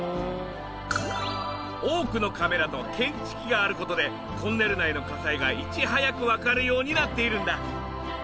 多くのカメラと検知器がある事でトンネル内の火災がいち早くわかるようになっているんだ。